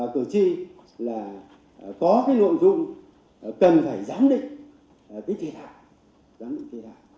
tổ chí là có cái nội dung cần phải giám định cái thể thảo giám định thể thảo